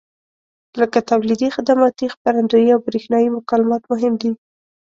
لکه تولیدي، خدماتي، خپرندویي او برېښنایي مکالمات مهم دي.